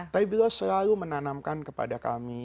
tapi beliau selalu menanamkan kepada kami